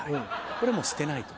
これもう捨てないとね。